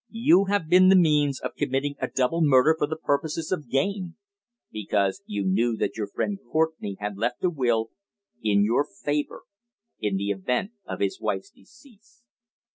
"You have been the means of committing a double murder for the purposes of gain because you knew that your friend Courtenay had left a will in your favour in the event of his wife's decease.